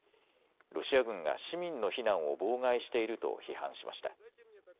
ロシア軍が市民の避難を妨害していると批判しました。